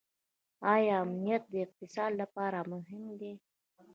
آیا امنیت د اقتصاد لپاره مهم دی؟